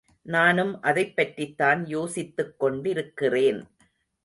நானும் அதைப் பற்றித்தான் யோசித்துக் கொண்டிருக்கிறேன்.